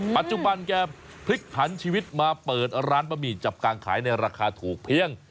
ปัจจุบันแกพลิกผันชีวิตมาเปิดร้านบะหมี่จับกางขายในราคาถูกเพียง